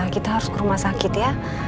kita harus ke rumah sakit ya